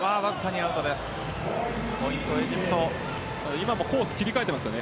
今もコースを切り替えています。